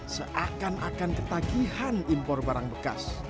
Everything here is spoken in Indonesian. seakan akan ketagihan impor barang bekas